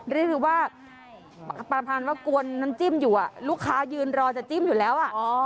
เรียกว่าประมาณว่ากวนน้ำจิ้มอยู่ลูกค้ายืนรอจะจิ้มอยู่แล้ว